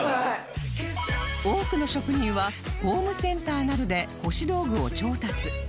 多くの職人はホームセンターなどで腰道具を調達